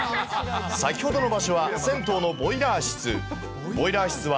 先ほどの場所は、銭湯のボイラー室。